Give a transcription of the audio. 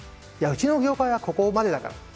いやうちの業界はここまでだから。